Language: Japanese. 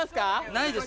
ないです